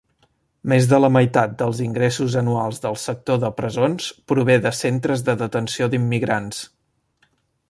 Més de la meitat dels ingressos anuals del sector de presons prové de centres de detenció d'immigrants.